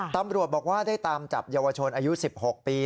ตำรวจบอกว่าได้ตามจับเยาวชนอายุ๑๖ปี